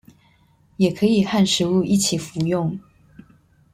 也可以和食物一起服用